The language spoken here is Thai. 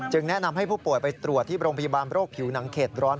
แนะนำให้ผู้ป่วยไปตรวจที่โรงพยาบาลโรคผิวหนังเขตร้อน